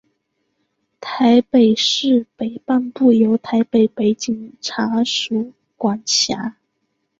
台北市北半部由台北北警察署管辖。